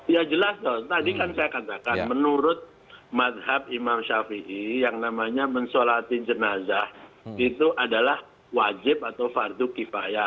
ya jelas dong tadi kan saya katakan menurut madhab imam syafi'i yang namanya mensolati jenazah itu adalah wajib atau fardu tifayah